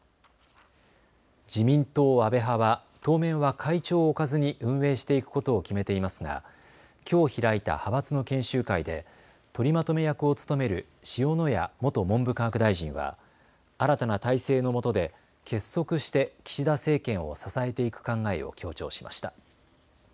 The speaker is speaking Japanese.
自民党安倍派は当面は会長を置かずに運営していくことを決めていますがきょう開いた派閥の研修会で取りまとめ役を務める塩谷元文部科学大臣は新たな体制のもとで結束して岸田政権を支えていく考えを強調しました。